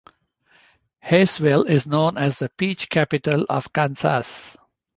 Haysville is known as the "Peach Capital of Kansas".